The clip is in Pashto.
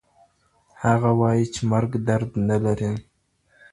هغه وایي چي مرګ درد نه لري.